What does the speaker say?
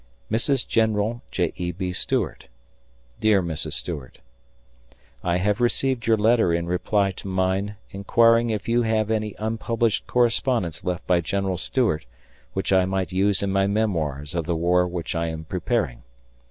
Mrs. General J. E. B. Stuart: Dear Mrs. Stuart: I have received your letter in reply to mine inquiring if you had any unpublished correspondence left by General Stuart which I might use in my Memoirs of the war which I am preparing.